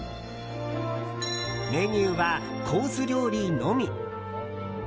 メニューはコース料理のみ。